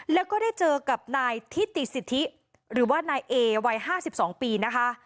แล้วก็ได้เจอกับนายทิติสิทธิหรือว่านายเอวัย๕๒ปีนะคะ